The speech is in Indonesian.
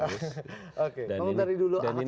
oke kamu dari dulu ahlaknya bagus